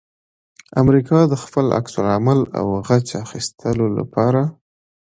امریکا د خپل عکس العمل او غچ اخستلو لپاره